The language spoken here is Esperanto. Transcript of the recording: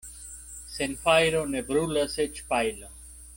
Sen fajro ne brulas eĉ pajlo.